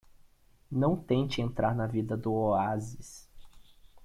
Não tente entrar na vida do oásis.